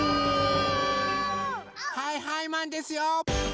はいはいマンですよ！